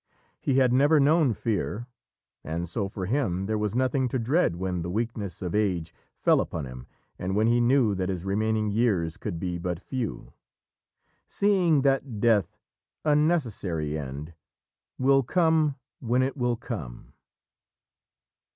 He had never known fear, and so for him there was nothing to dread when the weakness of age fell upon him and when he knew that his remaining years could be but few: "Seeing that Death, a necessary end, Will come when it will come."